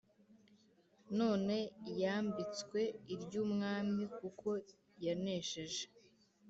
none yambitswe iry’umwami kuko yanesheje